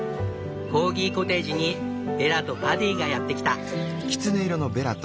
コーギコテージにベラとパディがやってきた。